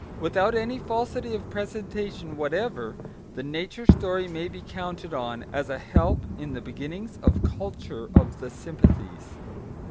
Without any falsity of presentation whatever, the nature story may be counted on as a help in the beginnings of culture of the sympathies.